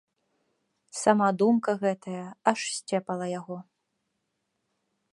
Сама думка гэтая аж сцепала яго.